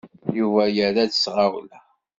Yuba yerra-d s tɣawla.